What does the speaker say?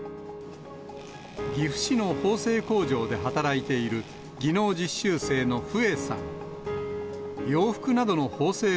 岐阜市の縫製工場で働いている、技能実習生のフエさん。